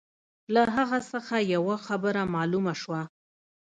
له هغه څخه یوه خبره معلومه شوه.